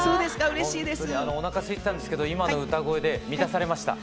ほんとにおなかすいてたんですけど今の歌声で満たされました。